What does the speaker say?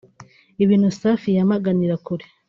ibintu Safi yamaganira kure